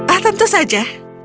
ah tentu saja